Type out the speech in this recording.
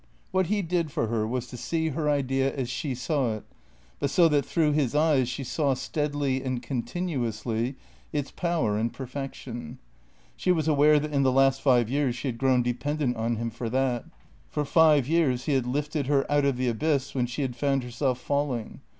Wliat he did for her was to see her idea as she saw it, but so that through his eyes she saw steadily and continuously its power and per fection. She was aware that in the last five years she had grown dependent on him for that. For five years he had lifted her out of the abyss when she had found herself falling.